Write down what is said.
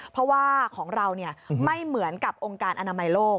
เพราะว่าของเราไม่เหมือนกับองค์การอนามัยโลก